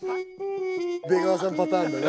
出川さんパターンだな。